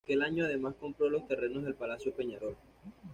Aquel año además compró los terrenos del Palacio Peñarol.